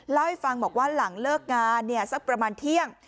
เล่าให้ฟังบอกว่าหลังเลิกงานเนี่ยสักประมาณเที่ยง